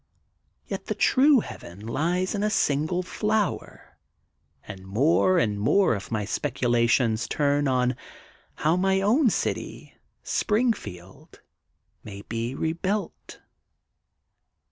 Yet the true Heaven lies in a single flower, and more and more my specula tions turn on how my own city, Springfield may be rebuilt.